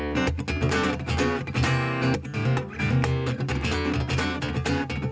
เพราะว่าก็จะเคยจับ